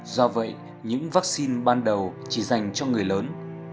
do vậy những vaccine ban đầu chỉ dành cho người lớn